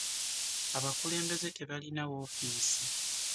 Abakulembeze tebalina woofiisi.